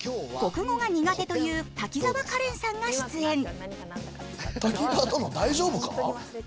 国語が苦手という滝沢カレンさんが出演。